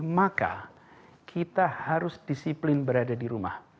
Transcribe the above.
maka kita harus disiplin berada di rumah